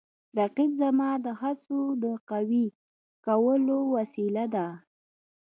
رقیب زما د هڅو د قوي کولو وسیله ده